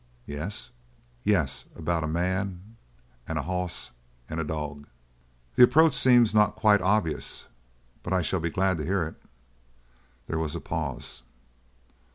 "Yes?" "Yes, about a man and a hoss and a dog." "The approach seems not quite obvious, but I shall be glad to hear it." There was a pause.